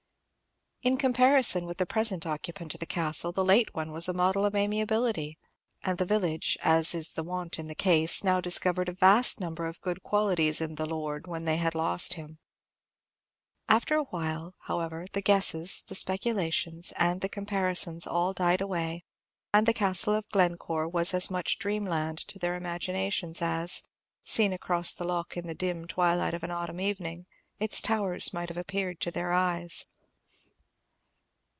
In comparison with the present occupant of the Castle, the late one was a model of amiability; and the village, as is the wont in the case, now discovered a vast number of good qualities in the "lord," when they had lost him. After a while, however, the guesses, the speculations, and the comparisons all died away, and the Castle of Glencore was as much dreamland to their imaginations as, seen across the lough in the dim twilight of an autumn evening, its towers might have appeared to their eyes.